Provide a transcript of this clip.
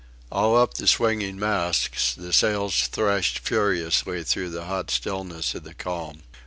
All up the swinging masts the sails thrashed furiously through the hot stillness of the calm.